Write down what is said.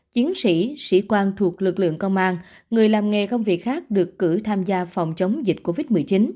chiến sĩ sĩ quan thuộc lực lượng công an người làm nghề công việc khác được cử tham gia phòng chống dịch covid một mươi chín